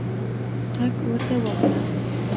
ټګ ورته واخله.